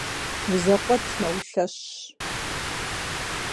Узэкъуэтмэ, улъэщщ.